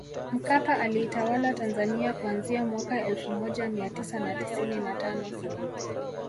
Mkapa aliitawala Tanzania kuanzia mwaka elfu moja mia tisa na tisini na tano